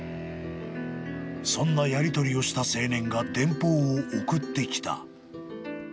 ［そんなやりとりをした青年が電報を送ってきた］